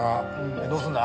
でどうするんだ？